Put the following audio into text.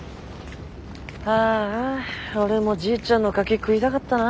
ああ俺もじいちゃんのカキ食いたかったな。